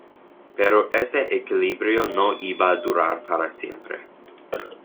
Pero ese equilibrio no iba a durar para siempre.